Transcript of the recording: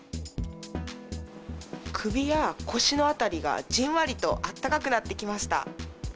首や腰の辺りが、じんわりとあったかくなってきました。